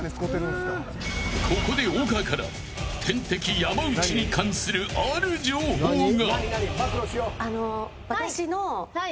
ここで丘から天敵山内に関するある情報が。